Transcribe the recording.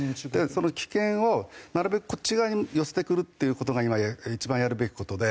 その棄権をなるべくこっち側に寄せてくるっていう事が今一番やるべき事で。